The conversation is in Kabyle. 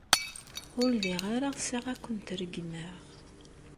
Ur lliɣ ara ɣseɣ ad kent-regmeɣ.